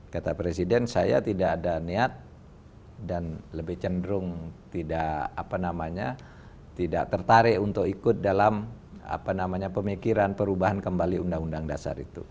kata presiden saya tidak ada niat dan lebih cenderung tidak tertarik untuk ikut dalam pemikiran perubahan kembali undang undang dasar itu